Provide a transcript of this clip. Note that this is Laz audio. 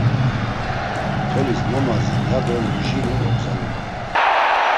Tolis mo mazir, yado Lujini ogzalu.